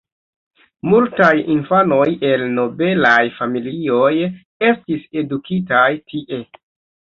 Multaj infanoj el nobelaj familioj estis edukitaj tie.